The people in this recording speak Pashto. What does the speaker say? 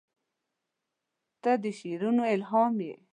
• ته د شعرونو الهام یې.